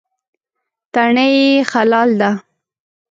تڼۍ یې خلال ده.